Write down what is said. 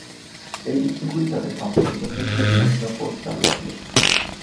এই স্কুলগুলি তাদের সম্পর্কিত ক্ষেত্রে বিভিন্ন কোর্স চালু আছে।